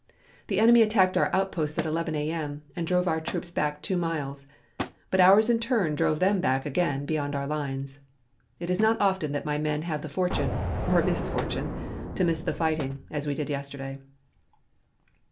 The enemy attacked our outposts at 11 A.M. and drove our troops back two miles, but ours in turn drove them back again beyond our lines. It is not often that my men have the fortune, or misfortune, to miss the fighting, as we did yesterday.